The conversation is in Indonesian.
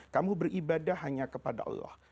kamu beribadah hanya kepada allah